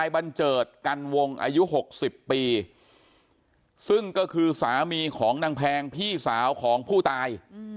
บันเจิดกันวงอายุ๖๐ปีซึ่งก็คือสามีของนางแพงพี่สาวของผู้ตาย